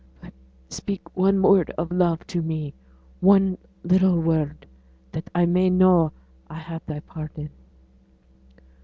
But speak one word of love to me one little word, that I may know I have thy pardon.'